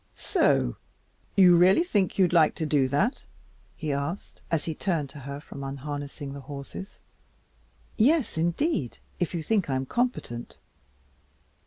"So you really think you'd like to do that?" he asked, as he turned to her from unharnessing the horses. "Yes, indeed, if you think I'm competent."